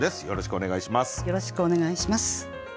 よろしくお願いします。